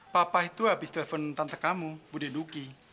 papa itu abis telepon tante kamu budi nuki